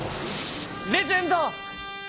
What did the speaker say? レジェンド！